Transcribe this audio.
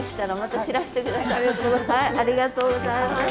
ありがとうございます。